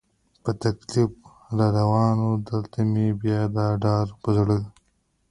په تکلیف را روان و، دلته مې بیا دا ډار په زړه.